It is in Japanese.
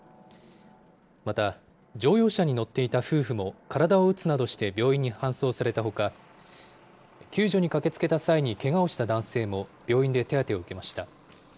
また乗用車に乗っていた夫婦も体を打つなどして病院に搬送されたほか、救助に駆けつけた際にけがをした男性も病院で手当てを受けました。